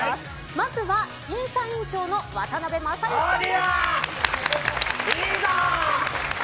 まずは審査員長の渡辺正行さんです。